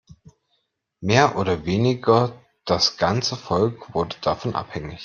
Mehr oder weniger das ganze Volk wurde davon abhängig.